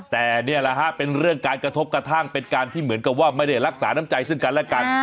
แต่นี่แหละฮะเป็นเรื่องการกระทบกระทั่งเป็นการที่เหมือนกับว่าไม่ได้รักษาน้ำใจซึ่งกันและกัน